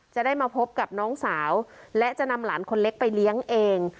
จะได้มาพบกับน้องสาวและจะนำหลานคนเล็กไปเลี้ยงเอง